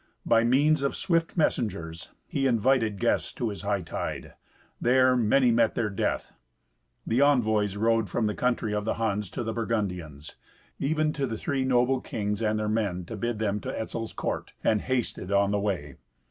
By means of swift messengers, he invited guests to his hightide. There many met their death. The envoys rode from the country of the Huns to the Burgundians, even to the three noble kings and their men, to bid them to Etzel's court, and hasted on the way.